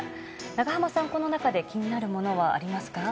長濱さん、この中で気になるものはありますか？